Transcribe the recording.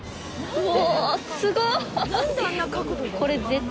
うわ。